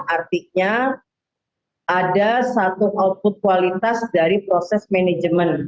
artinya ada satu output kualitas dari proses manajemen